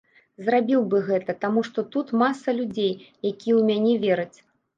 Зрабіў бы гэта, таму што тут маса людзей, якія ў мяне вераць.